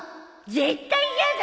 絶対嫌だ。